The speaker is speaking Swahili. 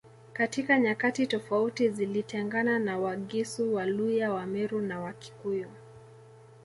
Katika nyakati tofauti zilitengana na Wagisu Waluya Wameru na Wakikuyu